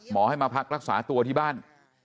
ให้มาพักรักษาตัวที่บ้าน